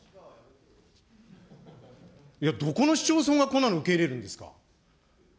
いや、どこの市町村がこんなの受け入れるんですか。